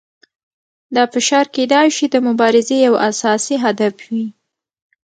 دا فشار کیدای شي د مبارزې یو اساسي هدف وي.